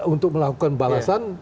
untuk melakukan balasan